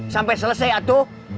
sampe selesai atuh